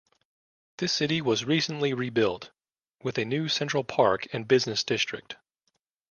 This city was recently rebuilt, with a new central park and business district.